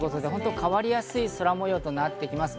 変わりやすい空模様となってきます。